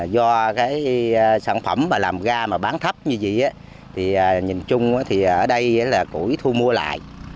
do cái sản phẩm mà làm ga mà bán thấp như vậy thì nhìn chung thì ở đây là củi thu mua lại